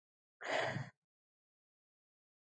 سمت پالنه څنګه ورک کړو؟